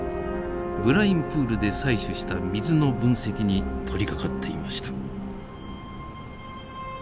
ブラインプールで採取した水の分析に取りかかっていました。